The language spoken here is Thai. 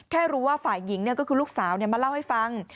แค่รู้ว่าฝ่ายหญิงเนี่ยก็คือลูกสาวเนี่ยมาเล่าให้ฟัง